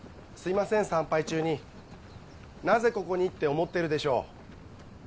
すいません参拝中になぜここに？って思ってるでしょう